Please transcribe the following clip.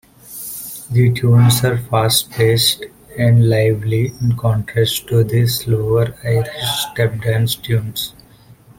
The tunes are fast-paced and lively in contrast to the slower Irish stepdance tunes.